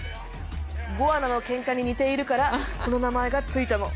ゴアナのけんかに似ているからこの名前が付いたの。